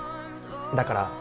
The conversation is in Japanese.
だから